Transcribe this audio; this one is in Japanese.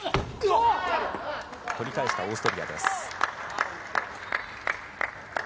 取り返したオーストリアです。